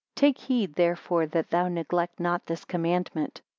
Take good heed, therefore, that thou neglect not this commandment.